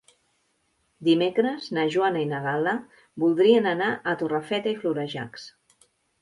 Dimecres na Joana i na Gal·la voldrien anar a Torrefeta i Florejacs.